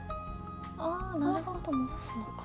ああなるほど戻すのか。